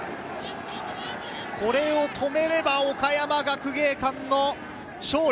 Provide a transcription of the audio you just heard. これを止めれば岡山学芸館の勝利。